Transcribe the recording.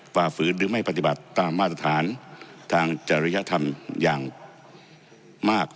ฝ่าฝืนหรือไม่ปฏิบัติตามมาตรฐานทางจริยธรรมอย่างมาก